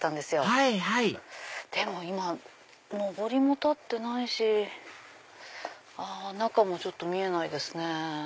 はいはいでも今のぼりも立ってないし中も見えないですね。